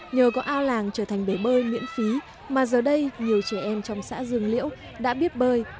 nhờ có ao làng trở thành bể bơi miễn phí mà giờ đây nhiều trẻ em trong xã dương liễu đã biết bơi